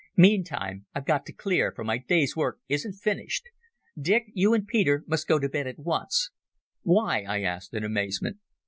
Meantime, I've got to clear, for my day's work isn't finished. Dick, you and Peter must go to bed at once." "Why?" I asked in amazement.